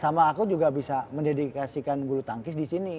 sama aku juga bisa mendedikasikan guru tangkis disini